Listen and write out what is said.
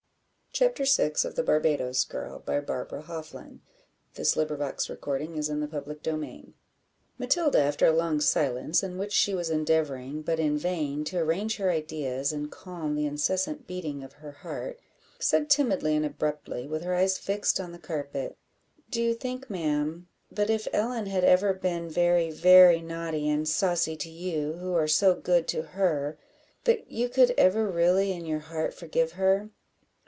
he sat one day alone with Mrs. Harewood, the following conversation took place between them. CHAPTER VI. Matilda, after a long silence, in which she was endeavouring, but in vain, to arrange her ideas and calm the incessant beating of her heart, said, timidly and abruptly, with her eyes fixed on the carpet "Do you think, ma'am, that if Ellen had ever been very, very naughty and saucy to you, who are so good to her, that you could ever really in your heart forgive her?"